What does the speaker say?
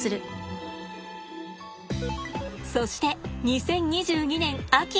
そして２０２２年秋。